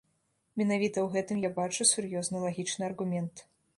Менавіта ў гэтым я бачу сур'ёзны лагічны аргумент.